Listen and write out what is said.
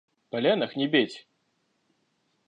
– Пленных не бить!